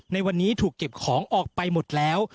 ในวันนี้ถูกเก็บของออกไปหมดแล้ว